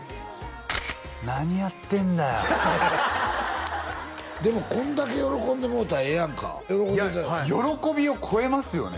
何やってんだよでもこんだけ喜んでもろうたらええやんかいや喜びを超えますよね